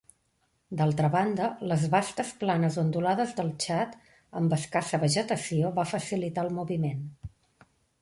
D'altra banda, les vastes planes ondulades del Txad amb escassa vegetació va facilitar el moviment.